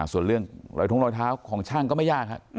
ส่วนเรื่องรอยท้องรอยเท้าของช่างก็ไม่ยากครับ